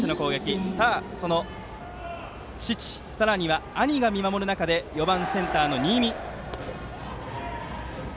その父、さらには兄が見守る中で４番センターの新美。